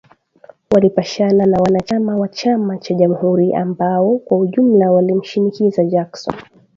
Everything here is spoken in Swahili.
Walipishana na wana chama wa chama cja jamhuri ambao kwa ujumla walimshinikiza Jackson